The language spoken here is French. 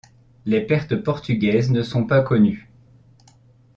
Les pertes portugaises ne sont pas connues.